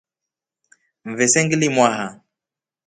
Mvese nglimwaha.